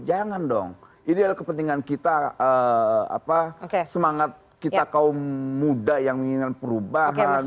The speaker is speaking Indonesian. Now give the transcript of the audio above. jangan dong ini adalah kepentingan kita semangat kita kaum muda yang menginginkan perubahan